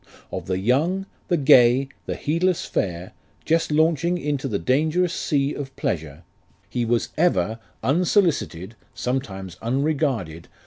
Of the young, the gay, the heedless fair, Just launching into the dangerous sea of pleasure, He was ever, unsolicited (sometimes unregarded) LIFE OF RICHARD NASH.